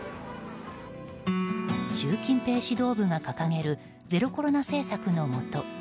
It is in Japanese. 習近平指導部が掲げるゼロコロナ政策のもと